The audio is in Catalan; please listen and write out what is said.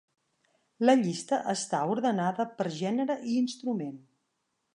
La llista està ordenada per gènere i instrument.